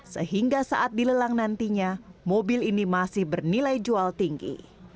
sehingga saat dilelang nantinya mobil ini masih bernilai jual tinggi